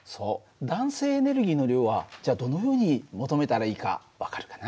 弾性エネルギーの量はじゃあどのように求めたらいいか分かるかな？